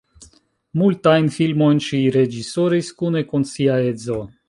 Multajn filmojn ŝi reĝisoris kune kun sia edzo.